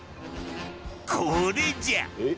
これじゃ。